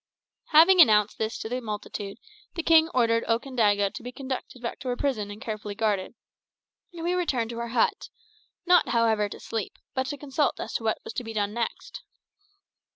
Having announced this to the multitude, the king ordered Okandaga to be conducted back to her prison and carefully guarded; and we returned to our hut not, however, to sleep, but to consult as to what was to be done next.